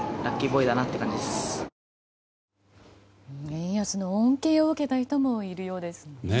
円安の恩恵を受けた人もいるようですね。